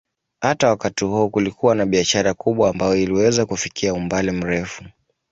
Hata wakati huo kulikuwa na biashara kubwa ambayo iliweza kufikia umbali mrefu.